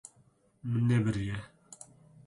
Min nebiriye.